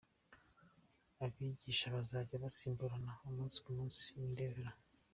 Abigisha bazajya basimburana umunsi ku munsi, ni Rev.